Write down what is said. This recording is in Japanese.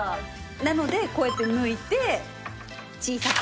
なのでこうやって抜いて小さくして捨てると。